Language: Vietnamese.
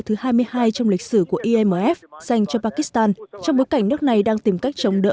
thứ hai mươi hai trong lịch sử của imf dành cho pakistan trong bối cảnh nước này đang tìm cách chống đỡ